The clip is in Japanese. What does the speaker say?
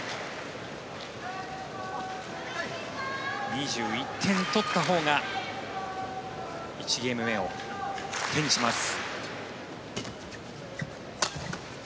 ２１点取った方が１ゲーム目を手にします。